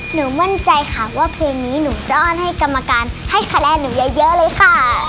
หนูมั่นใจค่ะว่าเพลงนี้หนูจะอ้อนให้กรรมการให้คะแนนหนูเยอะเลยค่ะ